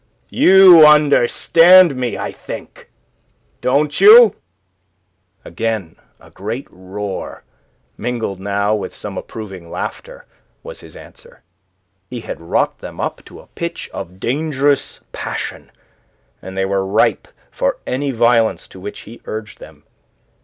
You understand me, I think? Don't you?" Again a great roar, mingled now with some approving laughter, was his answer. He had wrought them up to a pitch of dangerous passion, and they were ripe for any violence to which he urged them.